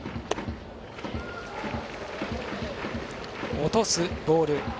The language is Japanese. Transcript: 落とすボール。